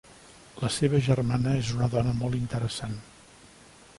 La seva germana és una dona molt interessant.